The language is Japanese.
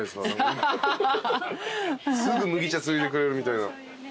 すぐ麦茶ついでくれるみたいな。